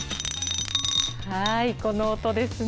はい、この音ですね。